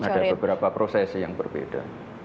ada beberapa prosesi yang berbeda